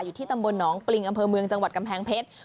อยู่ที่ตำบลหนองปริงอำเภอเมืองจังหวัดกำแพงเพชร